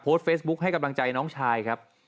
เฟซบุ๊คให้กำลังใจน้องชายครับ